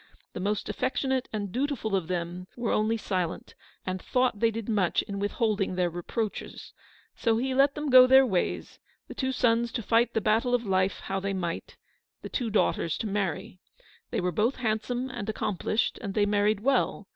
The most affectionate and dutiful of them were only silent, and thought they did much in withholding their reproaches. So he let them go their ways, the two sons to fight the battle of life how they might — the two daughters to marry. They were both handsome and ac complished, and they married well.